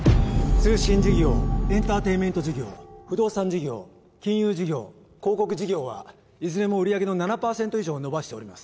通信事業エンタテインメント事業不動産事業金融事業広告事業はいずれも売上の７％以上を伸ばしております